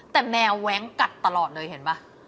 แต่แมวแว้งกัดตลอดเลยเห็นป่ะ